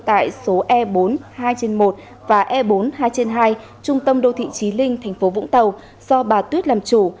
tại số e bốn hai một và e bốn hai hai trung tâm đô thị trí linh tp vũng tàu do bà tuyết làm chủ